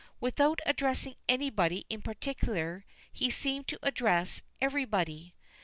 Without addressing anybody in particular, he seemed to address everybody.